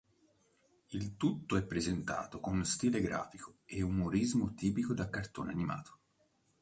Il tutto è presentato con stile grafico e umorismo tipico da cartone animato.